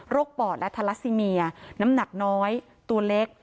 ปอดและทาลาซิเมียน้ำหนักน้อยตัวเล็ก